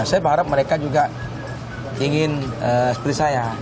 saya berharap mereka juga ingin seperti saya